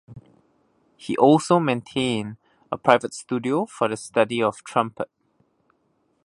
He also maintained a private studio for the study of trumpet.